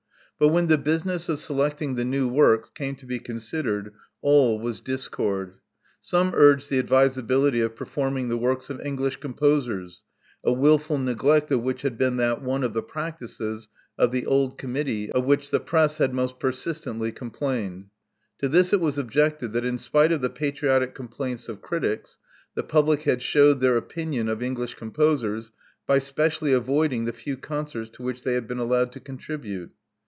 But when the business of selecting the new works came to be con sidered, all was discord. Some urged the advisability of performing the works of English composers, a wil ful neglect of which had been that one of the practices of the old committee of which the press had most per sistently complained. To this it was objected that in spite of the patriotic complaints of critics, the public had shewed their opinion of English composers by specially avoiding the few concerts to which they had been allowed to contribute.